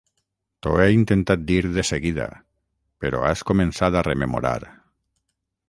T'ho he intentat dir de seguida, però has començat a rememorar.